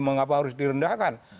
emang apa harus direndahkan